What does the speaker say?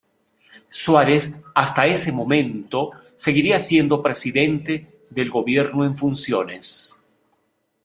Suárez hasta ese momento seguiría siendo presidente del gobierno en funciones.